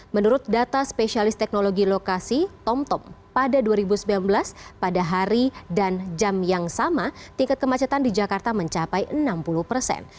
menurut data spesialis teknologi lokasi tomtom pada dua ribu sembilan belas pada hari dan jam yang sama tingkat kemacetan di jakarta mencapai enam puluh persen